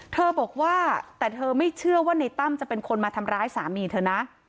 เธอบอกว่าแต่เธอไม่เชื่อว่าในตั้มจะเป็นคนมาทำร้ายสามีเธอนะ